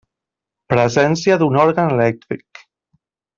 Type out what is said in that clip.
Presència d'un òrgan elèctric.